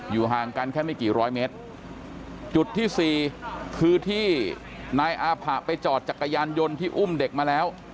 ห่างกันแค่ไม่กี่ร้อยเมตรจุดที่สี่คือที่นายอาผะไปจอดจักรยานยนต์ที่อุ้มเด็กมาแล้ว